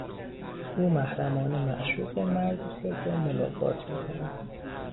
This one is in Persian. او محرمانه معشوق مرد خود را ملاقات میکند.